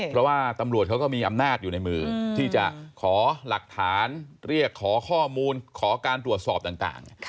เพราะว่าตำรวจเขาก็มีอำนาจอยู่ในมือที่จะขอหลักฐานเรียกขอข้อมูลขอการตรวจสอบต่าง